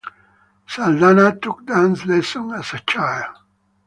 Saldana took dance lessons as a child.